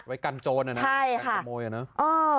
ไว้กันโจรอ่ะนะกันกระโมยอ่ะเนอะใช่ค่ะเออ